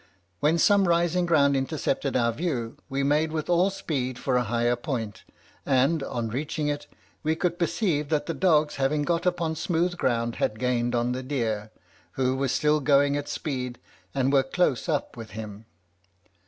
When some rising ground intercepted our view, we made with all speed for a higher point, and, on reaching it, we could perceive that the dogs, having got upon smooth ground, had gained on the deer, who was still going at speed, and were close up with him.